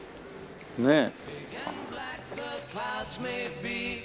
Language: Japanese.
ねえ。